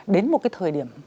đến một cái thời điểm